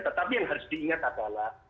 tetapi yang harus diingat adalah